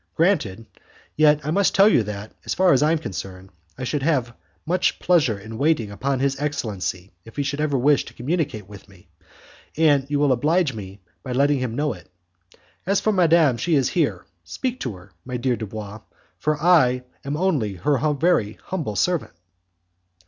"Granted, yet I must tell you that, as far as I am concerned, I should have much pleasure in waiting upon his excellency if he should ever wish to communicate with me, and you will oblige me by letting him know it. As for madam, she is here, speak to her, my dear M. Dubois, for I am only her very humble servant."